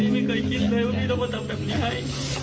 ไม่เคยคิดเลยว่าพี่ต้องมาทำแบบนี้